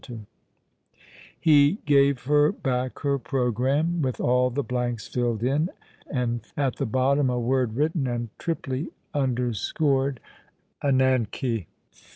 64 All along the River, He gave her back her programme, with all the blanks filled in, and at the bottom a word written, and triply underscored, 'ANAFKH.